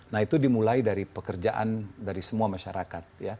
nah itu dimulai dari pekerjaan dari semua masyarakat